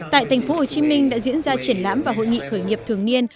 tại thành phố hồ chí minh đã diễn ra triển lãm và hội nghị khởi nghiệp thường niên